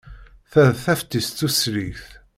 Ta d taftist tusligt.